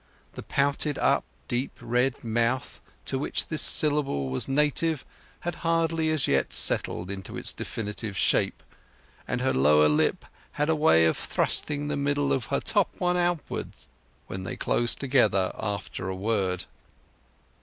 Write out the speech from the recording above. The pouted up deep red mouth to which this syllable was native had hardly as yet settled into its definite shape, and her lower lip had a way of thrusting the middle of her top one upward, when they closed together after a word.